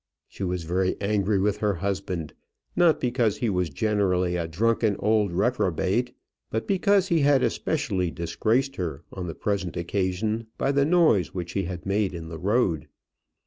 She was very angry with her husband, not because he was generally a drunken old reprobate, but because he had especially disgraced her on the present occasion by the noise which he had made in the road.